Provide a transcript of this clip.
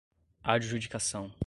adjudicação